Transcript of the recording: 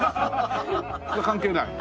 関係ない？